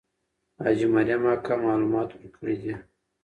حاجي مریم اکا معلومات ورکړي دي.